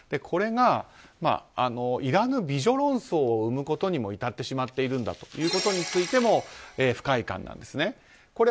これが、いらぬ美女論争を生むことにも至ってしまっているんだということについても不快感なんですね。